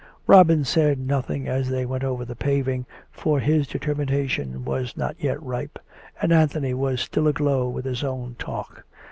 Robin said nothing as they went over the paving, for his determination was not yet ripe, and Anthony was still aglow with his own talk.